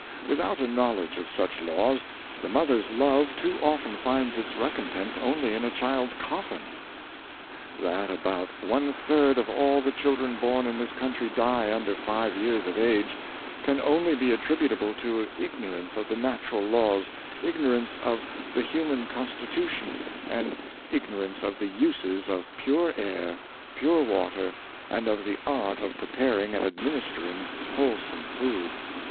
Without a knowl edge of such laws, the mother's love too often finds its recompense only in a child's coffin. That about one third of all the children born in this country die under five years of age, can only be attributable to ignorance of the natural laws, ignorance of the human constitu tion, and ignorance of the uses of pure air, pure water, and of the art of preparing and administering whole some food.